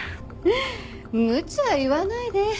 むちゃ言わないで。